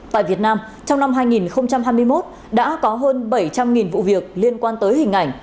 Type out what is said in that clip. tại việt nam trong năm hai nghìn hai mươi một đã có hơn bảy trăm linh vụ việc liên quan tới hình ảnh